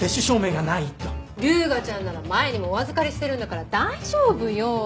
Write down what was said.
ルーガちゃんなら前にもお預かりしてるんだから大丈夫よ。